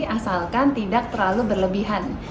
asalkan tidak terlalu berlebihan